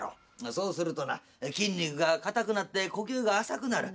そうするとな筋肉が硬くなって呼吸が浅くなる。